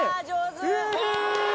え！